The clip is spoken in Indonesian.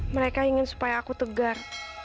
mereka ingin supaya aku tegar